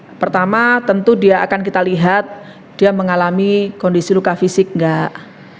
ya pertama tentu dia akan kita lihat dia mengalami kondisi luka fisik enggak